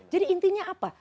jadi intinya apa